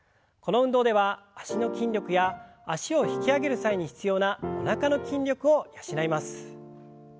この運動では脚の筋力や脚を引き上げる際に必要なおなかの筋力を養います。